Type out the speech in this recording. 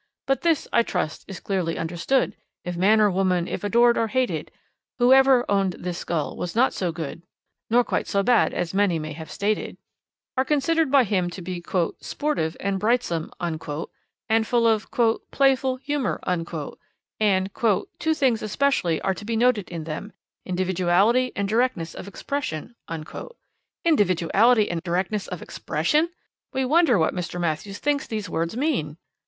But this, I trust, is clearly understood, If man or woman, if adored or hated Whoever own'd this Skull was not so good Nor quite so bad as many may have stated; are considered by him to be 'sportive and brightsome' and full of 'playful humor,' and 'two things especially are to be noted in them individuality and directness of expression.' Individuality and directness of expression! We wonder what Mr. Matthews thinks these words mean.